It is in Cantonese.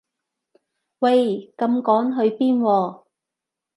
喂咁趕去邊喎